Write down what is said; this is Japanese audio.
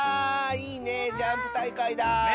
いいねジャンプたいかいだ。